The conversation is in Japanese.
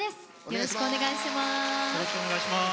よろしくお願いします。